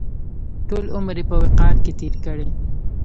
ټول عمر یې په وقار کې تېر کړی.